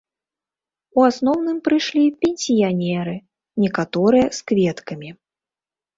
У асноўным прыйшлі пенсіянеры, некаторыя з кветкамі.